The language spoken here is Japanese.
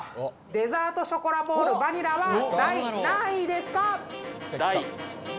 デザートショコラボールバニラは第何位ですか？